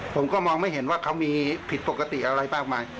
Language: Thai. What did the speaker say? ผมก็มองไม่เห็นว่าเขามีผิดปกติอะไรมากมาย